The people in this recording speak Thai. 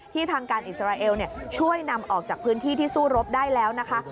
ทางการอิสราเอลช่วยนำออกจากพื้นที่ที่สู้รบได้แล้วนะคะ